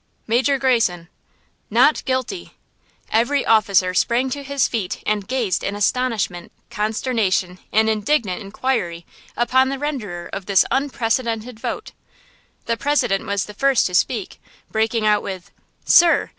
"Major Greyson?" "NOT GUILTY!" Every officer sprang to his feet and gazed in astonishment, consternation and indignant inquiry upon the renderer of this unprecedented vote. The President was the first to speak, breaking out with: "Sir!